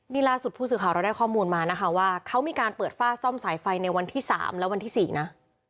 นี่ล่าสุดผู้สื่อข่าวเราได้ข้อมูลมานะคะว่าเขามีการเปิดฝ้าซ่อมสายไฟในวันที่๓และวันที่๔นะ